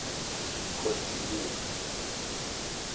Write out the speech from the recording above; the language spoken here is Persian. کشتی گیر